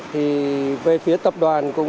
thì về phía tập đoàn